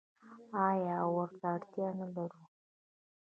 آیا او ورته اړتیا نلرو؟